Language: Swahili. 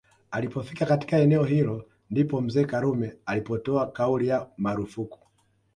Alipofika katika eneo hilo ndipo mzee Karume alipotoa kauli ya marufuku